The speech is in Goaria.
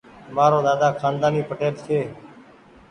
مآرو ۮاۮا کآندآني پٽيل ڇي۔